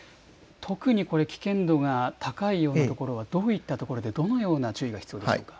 特に危険度が高いようなところはどういったところでどのような注意が必要でしょうか。